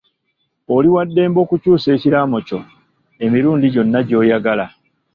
Oli waddembe okukyusa ekiraamo kyo emirundi gyonna gy'oyagala.